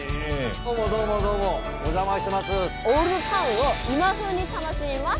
どうもどうも、どうも、お邪魔します。